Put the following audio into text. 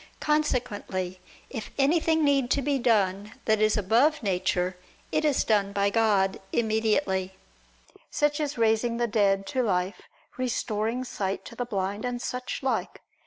Consequently if anything need to be done that is above nature, it is done by God immediately; such as raising the dead to life, restoring sight to the blind, and such like.